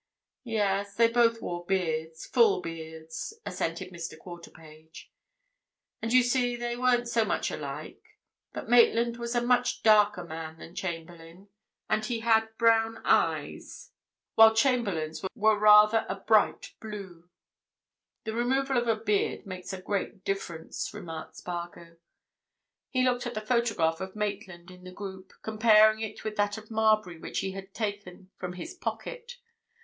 "Yes, they both wore beards—full beards," assented Mr. Quarterpage. "And you see, they weren't so much alike. But Maitland was a much darker man than Chamberlayne, and he had brown eyes, while Chamberlayne's were rather a bright blue." "The removal of a beard makes a great difference," remarked Spargo. He looked at the photograph of Maitland in the group, comparing it with that of Marbury which he had taken from his pocket.